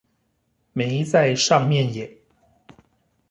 沒在上面耶